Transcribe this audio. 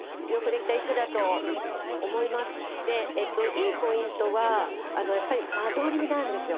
いいポイントはやっぱり「間取り」なんですよ。